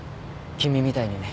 君みたいにね。